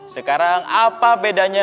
sekarang apa bedanya